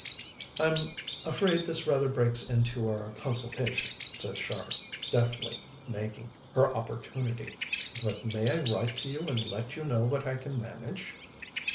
"I'm afraid this rather breaks into our consultation," said Char, deftly making her opportunity, "but may I write to you and let you know what I can manage?"